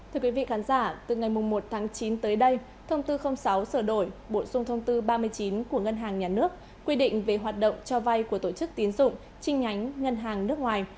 thưa quý vị khán giả từ ngày một tháng chín tới đây thông tư sáu sửa đổi bổ sung thông tư ba mươi chín của ngân hàng nhà nước quy định về hoạt động cho vay của tổ chức tiến dụng trinh nhánh ngân hàng nước ngoài